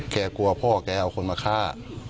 กลัวพ่อแกเอาคนมาฆ่า